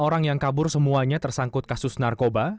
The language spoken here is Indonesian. lima orang yang kabur semuanya tersangkut kasus narkoba